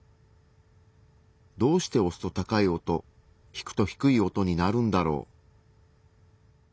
どうして押すと高い音引くと低い音になるんだろう？